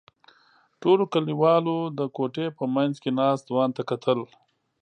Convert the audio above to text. ټولو کلیوالو د کوټې په منځ کې ناست ځوان ته کتل.